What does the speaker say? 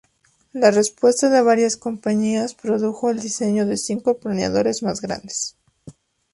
La respuesta de varias compañías produjo el diseño de cinco planeadores más grandes.